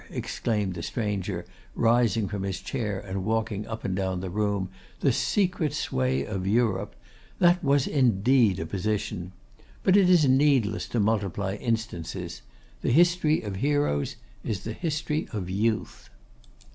exclaimed the stranger; rising from his chair and walking up and down the room; 'the secret sway of Europe! That was indeed a position! But it is needless to multiply instances! The history of Heroes is the history of Youth.